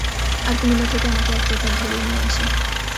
তারা কুমিল্লা থেকে আমাকে একপ্রকার ধরেই নিয়ে আসে।